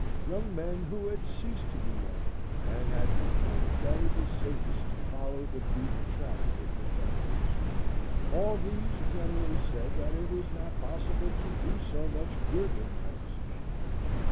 —young men who had ceased to be young, and had concluded that it was safest to follow the beaten track of the professions,—all these generally said that it was not possible to do so much good in my position.